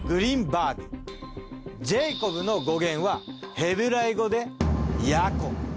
ジェイコブの語源はヘブライ語でヤコブ。